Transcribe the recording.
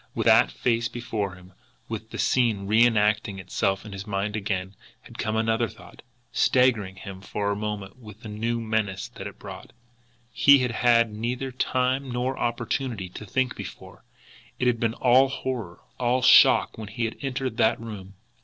With that face before him, with the scene re enacting itself in his mind again, had come another thought, staggering him for a moment with the new menace that it brought. He had had neither time nor opportunity to think before; it had been all horror, all shock when he had entered that room.